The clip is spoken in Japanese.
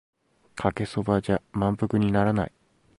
かけそばじゃ満腹にならない